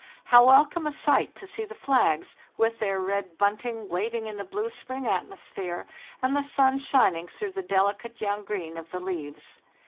How welcome a sight to see the flags, with their red bunting, waving in the blue spring atmosphere, and the sun shining through the delicate young green of the leaves.